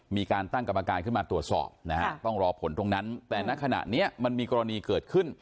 มีการตั้งกรรมการขึ้นมาตรวจสอบนะฮะต้องรอผลตรงนั้นแต่ณขณะนี้มันมีกรณีเกิดขึ้น